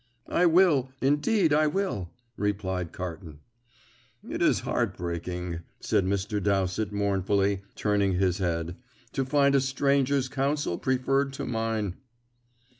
"I will, indeed I will," replied Carton. "It is heartbreaking," said Mr. Dowsett mournfully, turning his head, "to find a stranger's counsel preferred to mine."